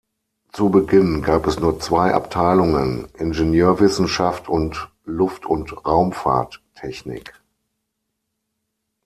Zu Beginn gab es nur zwei Abteilungen: Ingenieurwissenschaft und Luft- und Raumfahrttechnik.